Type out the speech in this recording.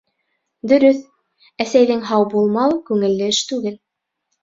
Дөрөҫ, әсәйҙең һау булмауы күңелле эш түгел.